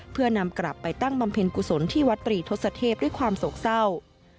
เพื่อนำกลับไปตั้งบำเพ็ญกุศลที่วัดตรีทศเทพด้วยความโศกเศร้า